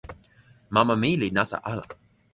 mama mi li nasa ala.